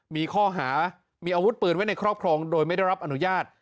มีข้อหามีอาวุธปืนไว้ในครอบครองโดยไม่ได้รับอนุญาต